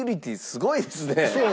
すごいですね。